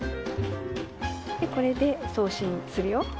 でこれで送信するよ？